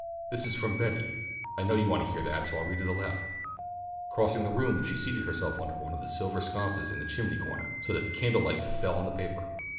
"This is from Betty. I know you want to hear that, so I'll read it aloud." Crossing the room she seated herself under one of the silver sconces in the chimney corner, so that the candlelight fell on the paper.